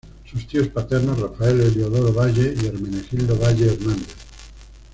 Sus tíos paternos, Rafael Heliodoro Valle y Hermenegildo Valle Hernández.